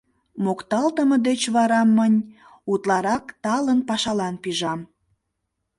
Мокталтыме деч вара мынь утларак талын пашалан пижам.